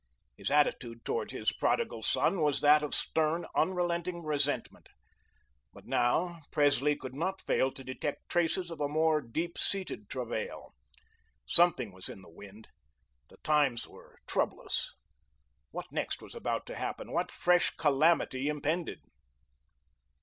His attitude towards his prodigal son was that of stern, unrelenting resentment. But now, Presley could not fail to detect traces of a more deep seated travail. Something was in the wind, the times were troublous. What next was about to happen? What fresh calamity impended?